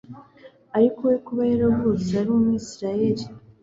Ariko we kuba yaravutse ari UmwIsiraheli,